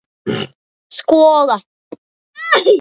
Skola.